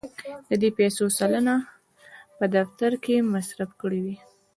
د دې پیسو سلنه په دفتر مصرف کړې وې.